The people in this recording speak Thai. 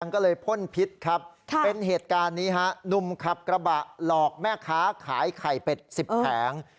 ก็เลยพ่นพิษครับเป็นเหตุการณ์นี้ฮะหนุ่มขับกระบะหลอกแม่ค้าขายไข่เป็ด๑๐แผง